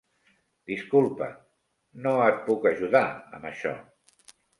Disculpa, no et puc ajudar amb això.